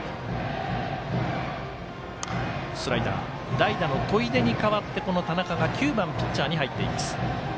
代打の砥出に代わってこの田中が９番、ピッチャーに入っています。